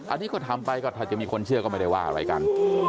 อันนี้ก็ทำไปก็ถ้าจะมีคนเชื่อก็ไม่ได้ว่าอะไรกัน